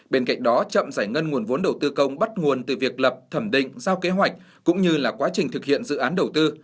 bên cạnh đó chậm giải ngân nguồn vốn đầu tư công bắt nguồn từ việc lập thẩm định giao kế hoạch cũng như là quá trình thực hiện dự án đầu tư